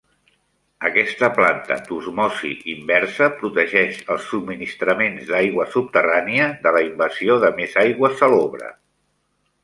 Aquesta planta d'osmosi inversa protegeix els subministraments d'aigua subterrània de la invasió de més aigua salobre.